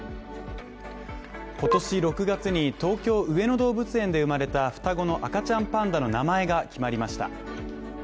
今年６月に東京上野動物園で生まれた双子の赤ちゃんパンダの名前が決まりました。